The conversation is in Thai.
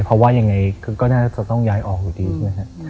เพราะว่ายังไงก็น่าจะต้องย้ายออกอยู่ดีใช่ไหมครับ